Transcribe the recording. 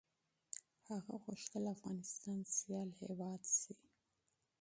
هغه غوښتل افغانستان سيال هېواد شي.